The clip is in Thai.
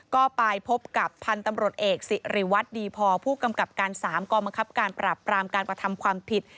ก็ไปพบกับพันธุ์ตำรวจเอกสิริวัตรดีพอผู้กำกับการ๓กองบังคับการปรับปรามการกระทำความผิด